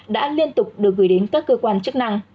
đã liên tục được gửi đến các cơ quan chức năng